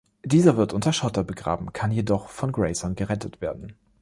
Dieser wird unter Schotter begraben, kann jedoch von Grayson gerettet werden.